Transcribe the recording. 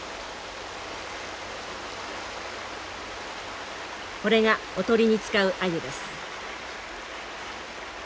これがおとりに使うアユです。